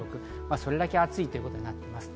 それだけ暑いということになっています。